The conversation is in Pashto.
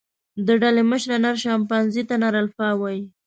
د ډلې مشره، نر شامپانزي ته نر الفا وایي.